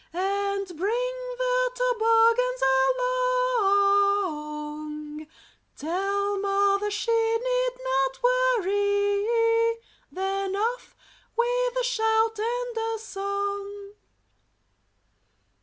And bring the toboggans along; Tell mother she need not worry, Then off with a shout and a song.